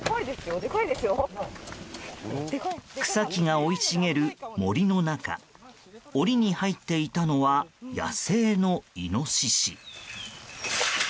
草木が生い茂る森の中檻に入っていたのは野生のイノシシ。